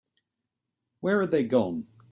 Where are they gone?